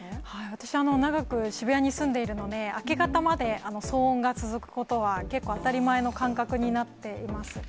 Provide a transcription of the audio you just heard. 私、長く渋谷に住んでいるので、明け方まで騒音が続くことは結構当たり前の感覚になっています。